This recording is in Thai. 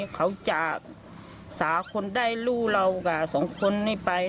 เขาจากสาขนได้ลูกเรากับ๒คนไป